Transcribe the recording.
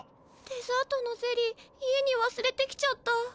デザートのゼリー家にわすれてきちゃった。